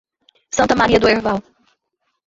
Santa Maria do Herval